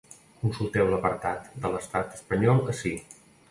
Consulteu l’apartat de l’estat espanyol ací.